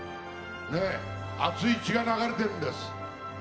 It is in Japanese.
熱い血が流れてるんです。